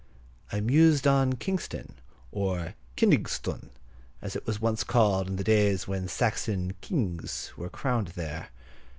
I mused on Kingston, or "Kyningestun," as it was once called in the days when Saxon "kinges" were crowned there.